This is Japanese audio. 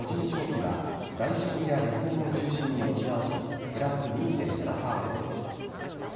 消費は外食や旅行を中心に持ち直し、プラス２．７％でした。